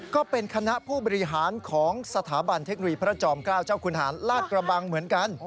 ก็เป็นคณะผู้บริหารของสถาบันเทคโนโลยีพระจอมเกล้าเจ้าคุณหารลาดกระบังเหมือนกัน